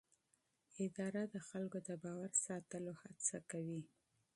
اداره د خلکو د باور ساتلو هڅه کوي.